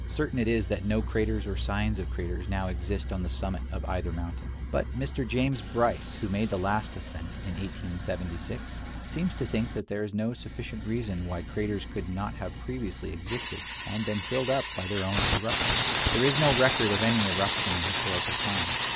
Certain it is that no craters or signs of craters now exist on the summit of either mountain. But Mr. James Bryce, who made the last ascent, in 1876, seems to think that there is no sufficient reason why craters could not have previously existed, and been filled up by their own irruptions. There is no record of any irruption in historical times.